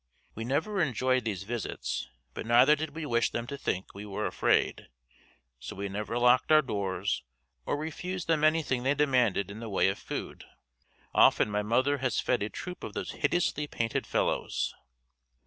We never enjoyed these visits, but neither did we wish them to think we were afraid, so we never locked our doors or refused them anything they demanded in the way of food. Often my mother has fed a troop of those hideously painted fellows.